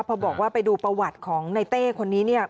พอบอกว่าไปดูประวัติของในเต้คนนี้เนี่ย